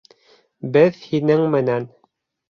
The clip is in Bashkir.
Беҙ һинең менән.